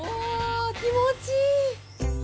気持ちいい。